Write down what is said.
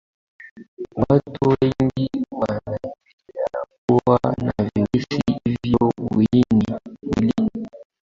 watu wengi wanaendelea kuwa na virusi hivyo mwilini